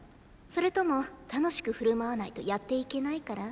それとも楽しく振る舞わないとやっていけないから？